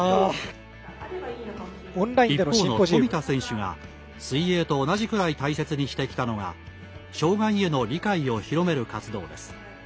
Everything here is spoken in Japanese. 一方の富田選手が水泳と同じぐらい大切にしてきたのが障がいへの理解を広める活動です。